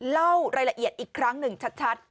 เล่ารายละเอียดอีกครั้งหนึ่งชัด